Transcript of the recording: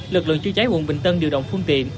lực lượng chữa cháy quận bình tân điều động phương tiện